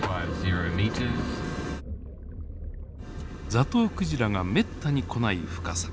ザトウクジラがめったに来ない深さ。